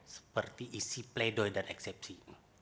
seperti isi pledoi dan eksepsi